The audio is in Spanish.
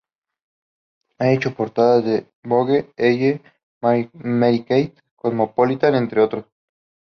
Ha hecho portadas de Vogue, Elle, Marie Claire, Cosmopolitan, entre otros.